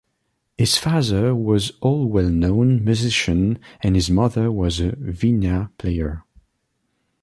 His father was a well known musician and his mother was a veena player.